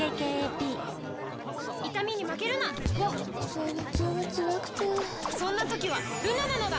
生理痛がつらくてそんな時はルナなのだ！